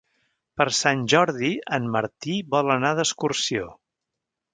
Per Sant Jordi en Martí vol anar d'excursió.